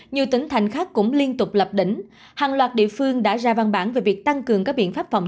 nhiều tỉnh thành khác cũng liên tục lập đỉnh hàng loạt địa phương đã ra văn bản về việc tăng cường các biện pháp phòng